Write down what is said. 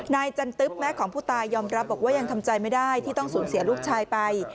จันตึ๊บแม่ของผู้ตายยอมรับบอกว่ายังทำใจไม่ได้ที่ต้องสูญเสียลูกชายไป